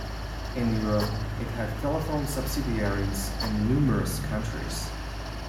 In Europe it had telephone subsidiaries in numerous countries.